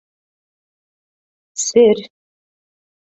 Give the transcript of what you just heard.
Сер.